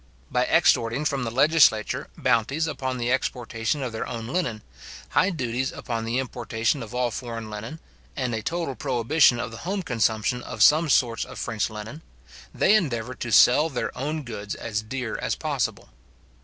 By extorting from the legislature bounties upon the exportation of their own linen, high duties upon the importation of all foreign linen, and a total prohibition of the home consumption of some sorts of French linen, they endeavour to sell their own goods as dear as possible.